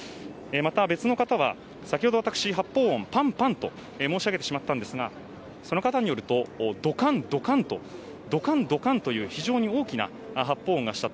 また別の方は先ほど、私発砲音をパンパンと申し上げてしまったんですがその方によるとドカン、ドカンという非常に大きな発砲音がした。